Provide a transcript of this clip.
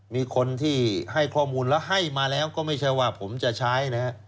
มีคนที่ให้ข้อมูลแล้วให้มาแล้วก็ไม่ใช่ว่าผมจะใช้นะฮะ